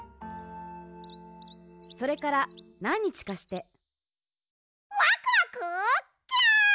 それからなんにちかしてワクワクキュン！